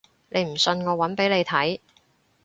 你唔信我搵俾你睇